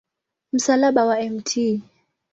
Msalaba wa Mt.